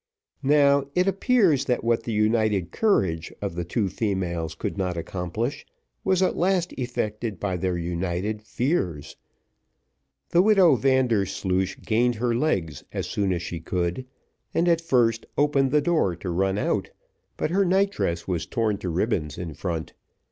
Now, it appears, that what the united courage of the two females could not accomplish, was at last effected by their united fears. The widow Vandersloosh gained her legs as soon as she could, and at first opened the door to run out, but her night dress was torn to ribbons in front.